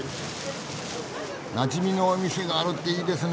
なじみのお店があるっていいですね。